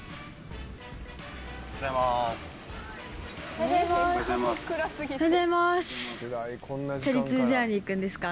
おはようございます。